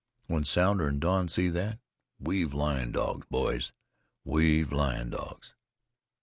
When Sounder and Don see that, we've lion dogs, boys! we've lion dogs!